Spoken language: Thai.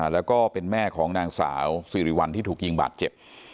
แล้วก็เป็นแม่ของนางสาวสิริวัลที่ถูกยิงบาดเจ็บ